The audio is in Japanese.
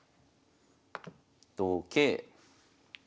同桂。